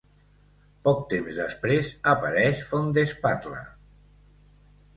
Poc temps després apareix Fondespatla.